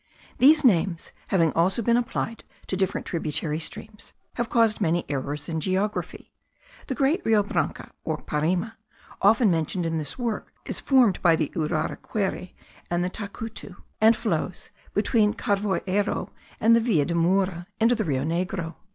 These names having also been applied to different tributary streams, have caused many errors in geography. The great Rio Branco, or Parime, often mentioned in this work, is formed by the Urariquera and the Tacutu, and flows, between Carvoeyro and Villa de Moura, into the Rio Negro.